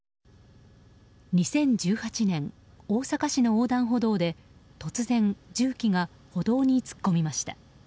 ２０１８年、大阪市の横断歩道で突然、重機が歩道に突っ込みました。